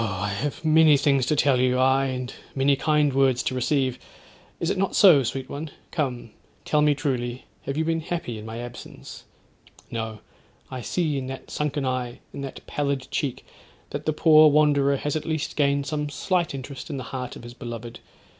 I have many things to tell you; aye! and many kind words to receive; is it not so, sweet one? Come, tell me truly, have you been happy in my absence? No! I see in that sunken eye, in that pallid cheek, that the poor wanderer has at least gained some slight interest in the heart of his beloved.